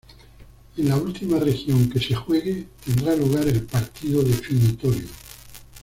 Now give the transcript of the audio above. En la última región que se juegue, tendrá lugar el partido definitorio.